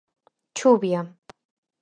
Chuvia.